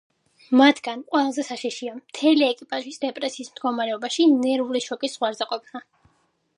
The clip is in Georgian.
მათგან ყველაზე საშიშია მთელი ეკიპაჟის დეპრესიის მდგომარეობაში ნერვული შოკის ზღვარზე ყოფნა.